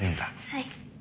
はい。